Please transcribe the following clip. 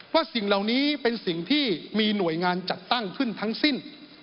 สิ่งเหล่านี้เป็นสิ่งที่มีหน่วยงานจัดตั้งขึ้นทั้งสิ้น